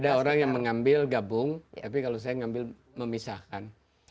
ada orang yang mengambil gabung tapi kalau saya mengambil memisahkan